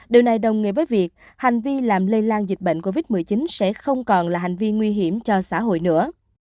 điều này đồng nghĩa với việc hành vi làm lây lan dịch bệnh covid một mươi chín sẽ không còn là hành vi nguy hiểm cho xã hội nữa